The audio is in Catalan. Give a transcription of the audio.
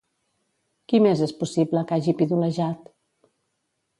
Qui més és possible que hagi pidolejat?